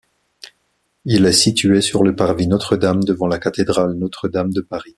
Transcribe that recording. Il est situé sur le parvis Notre-Dame, devant la cathédrale Notre-Dame de Paris.